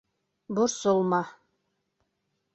Борсолма.